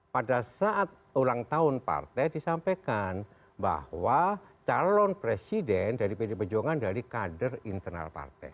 pada saat ulang tahun partai disampaikan bahwa calon presiden dari pd perjuangan dari kader internal partai